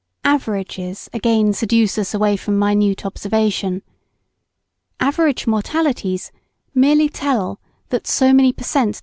] Averages again seduce us away from minute observation. "Average mortalities" merely tell that so many per cent.